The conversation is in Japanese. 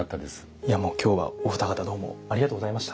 いやもう今日はお二方どうもありがとうございました。